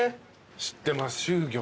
知ってます秀玉。